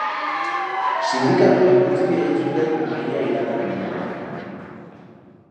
Sindikatuek utzi egin zuten mahaia iragan abenduan.